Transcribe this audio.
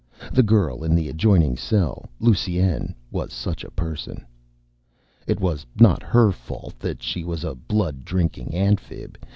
The girl in the adjoining cell, Lusine, was such a person. It was not her fault that she was a blood drinking Amphib.